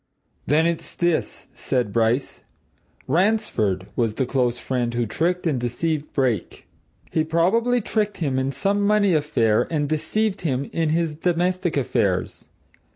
"Then, it's this," said Bryce. "Ransford was the close friend who tricked and deceived Brake: "He probably tricked him in some money affair, and deceived him in his domestic affairs.